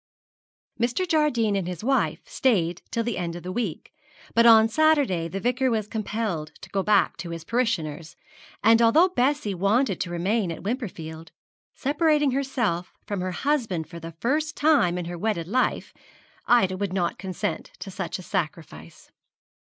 Mr. Jardine and his wife stayed till the end of the week, but on Saturday the Vicar was compelled to go back to his parishioners; and although Bessie wanted to remain at Wimperfield, separating herself from her husband for the first time in her wedded life, Ida would not consent to such a sacrifice.